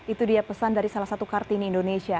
itu dia pesan dari salah satu kartini indonesia